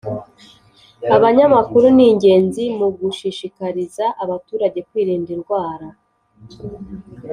Amanyamakuru ni ingenzi mugushishikariza abaturage kwirinda indwara